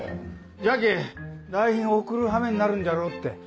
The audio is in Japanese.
じゃけぇ代品送るはめになるんじゃろうって。